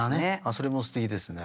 それもすてきですね。